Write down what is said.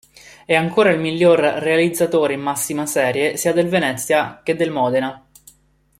È ancora il miglior realizzatore in massima serie sia del Venezia che del Modena.